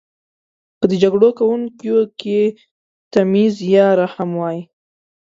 که د جګړو کونکیو کې تمیز یا رحم وای.